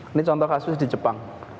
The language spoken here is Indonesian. ini contoh kasus di jepang